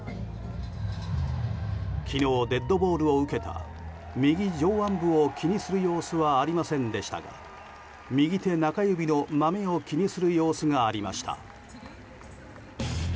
昨日、デッドボールを受けた右上腕部を気にする様子はありませんでしたが右手中指のマメを気にする様子がありました。